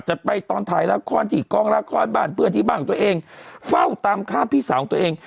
จะไปตอนถ่ายละครที่กองละครบ้านเพื่อนที่บ้านตัวเองเฝ้าตามฆ่าพี่สาวตัวเอง